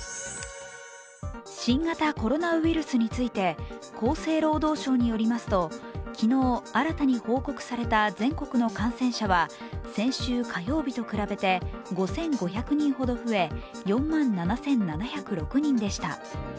新型コロナウイルスについて厚生労働省によりますと昨日新たに報告された全国の感染者は先週火曜日と比べて５５００人ほど増え、４万７７０６人でした。